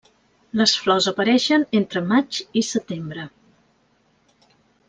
Les flors apareixen entre maig i setembre.